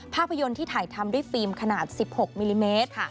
ภาพยนตร์ที่ถ่ายทำด้วยฟิล์มขนาด๑๖มิลลิเมตร